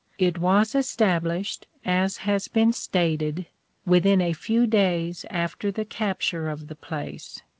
It was established, as has been stated, within a few days after the capture of the place.